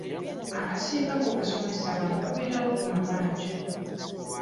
Abasinga ku basomesa bano babeerawo ku mabanja.